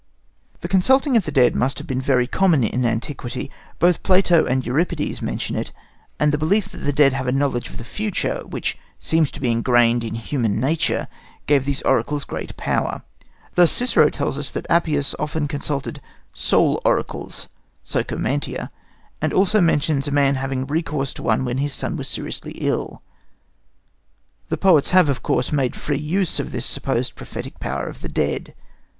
This consulting of the dead must have been very common in antiquity. Both Plato and Euripides mention it; and the belief that the dead have a knowledge of the future, which seems to be ingrained in human nature, gave these oracles great power. Thus, Cicero tells us that Appius often consulted "soul oracles" (psychomantia), and also mentions a man having recourse to one when his son was seriously ill. The poets have, of course, made free use of this supposed prophetic power of the dead.